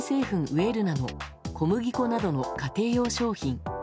ウェルナの小麦粉などの家庭用商品。